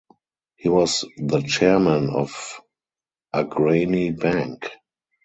He was the chairman of Agrani Bank.